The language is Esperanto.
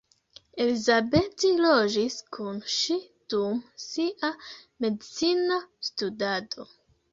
Elizabeth loĝis kun ŝi dum sia medicina studado.